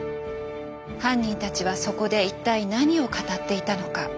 犯人たちはそこで一体何を語っていたのか。